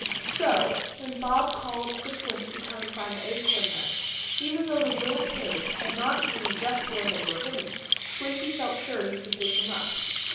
So, when Bob called for Squinty to come and find the acorn nuts, even though the little pig had not seen just where they were hidden, Squinty felt sure he could dig them up.